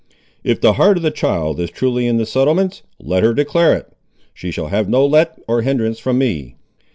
"If the heart of the child is truly in the settlements, let her declare it; she shall have no let or hinderance from me.